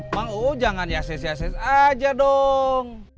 mau jangan yes yes yes aja dong